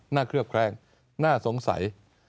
เคลือบแคลงน่าสงสัย